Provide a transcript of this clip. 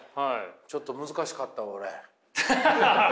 ちょっと難しかったわ俺。ハハハハ。